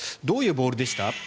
どういうボールでした？